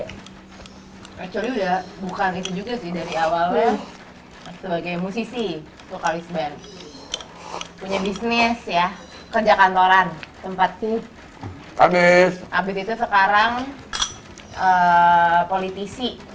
actually udah bukan itu juga sih dari awalnya sebagai musisi lokalis band punya bisnis ya kerja kantoran tempatnya abis itu sekarang politisi